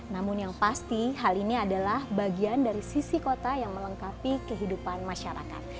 namun yang pasti hal ini adalah bagian dari sisi kota yang melengkapi kehidupan masyarakat